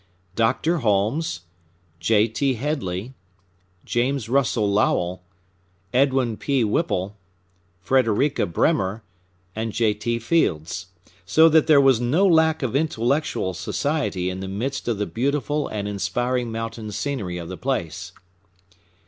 Doctor Holmes, J. T. Headley, James Russell Lowell, Edwin P. Whipple, Frederika Bremer, and J. T. Fields; so that there was no lack of intellectual society in the midst of the beautiful and inspiring mountain scenery of the place.